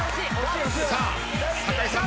さあ酒井さん